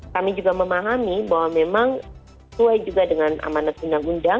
kami juga memahami bahwa memang sesuai juga dengan amanat undang undang